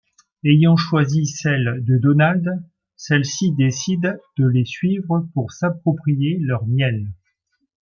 Ayant choisi celle de Donald celui-ci décide de les suivre pour s'approprier leur miel.